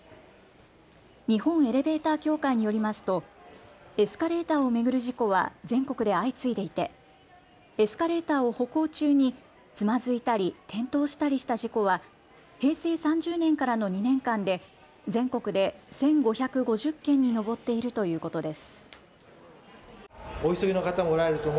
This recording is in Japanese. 日本エレベーター協会によりますとエスカレーターを巡る事故は全国で相次いでいてエスカレーターを歩行中につまずいたり転倒したりした事故は平成３０年からの２年間で全国で１５５０件に上っているということです。